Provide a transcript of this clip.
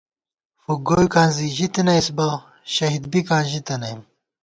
فُک گوئیکاں زی ژِتَنَئیس بہ، شہید بِکاں ژِتَنَئیم